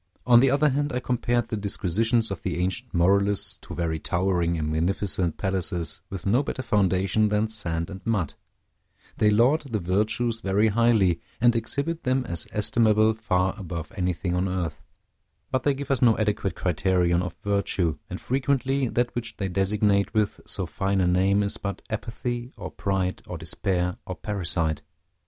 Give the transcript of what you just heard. On the other hand, I compared the disquisitions of the ancient moralists to very towering and magnificent palaces with no better foundation than sand and mud: they laud the virtues very highly, and exhibit them as estimable far above anything on earth; but they give us no adequate criterion of virtue, and frequently that which they designate with so fine a name is but apathy, or pride, or despair, or parricide.